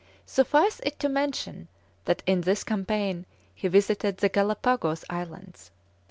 Suffice it to mention that in this campaign he visited the Gallapagos Islands.